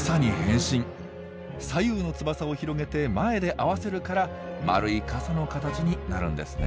左右の翼を広げて前で合わせるから丸い傘の形になるんですね。